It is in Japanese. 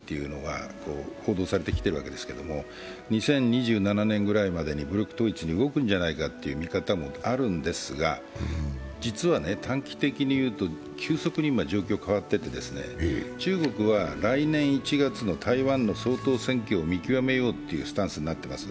中国が習近平第３期政権に入って、武力統一だ、台湾有事だっていうのが報道されてきているわけですけど、２０２７年ぐらいまでに武力統一に動くんじゃないかという見方もあるんですが実は短期的に言うと、急速に今状況変わっていて、中国は、来年１月の台湾の総統選挙を見極めようというスタンスになっています。